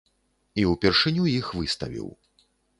І ўпершыню іх выставіў.